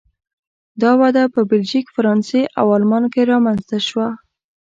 دا وده په بلژیک، فرانسې او آلمان کې رامنځته شوه.